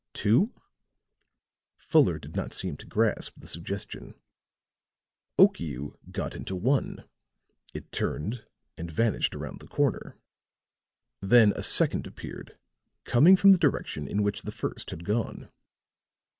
"Two?" Fuller did not seem to grasp the suggestion. "Okiu got into one; it turned, and vanished around the corner. Then a second appeared, coming from the direction in which the first had gone.